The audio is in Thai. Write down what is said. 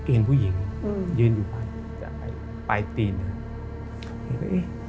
เอ็นผู้หญิงอืมเย็นอยู่ข้างนี้แต่ไอ้ปลายตีนไอ้ก็เอ๊ะ